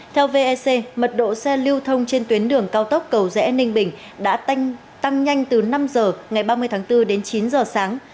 theo vec mật độ xe lưu thông trên tuyến đường cao tốc cầu rẽ ninh bình đã tăng nhanh từ năm giờ ngày ba mươi tháng bốn đến chín giờ sáng